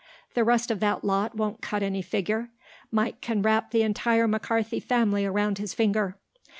The rest of that lot won't cut any figure. Mike can wrap the entire McCarthy family around his finger."